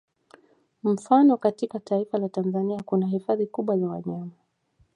Mfano katika taifa la Tanzania kuna hifadhi kubwa za wanyama